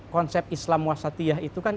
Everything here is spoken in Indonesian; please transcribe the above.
konsep islam wasatiyah itu kan